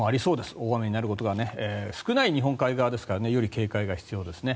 大雨になることが少ない日本海側ですからより警戒が必要ですね。